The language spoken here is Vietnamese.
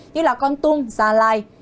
như là con tung gia lai